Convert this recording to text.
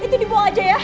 itu dibuang aja ya